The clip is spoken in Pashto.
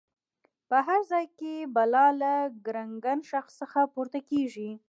په هر ځای کې بلا له ګړنګن شخص څخه پورته کېږي.